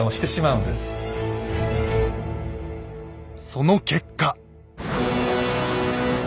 その結果。